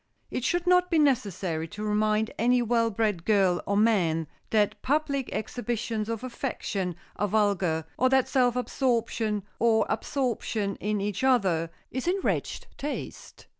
It should not be necessary to remind any well bred girl or man that public exhibitions of affection are vulgar, or that self absorption, or absorption in each other, is in wretched taste.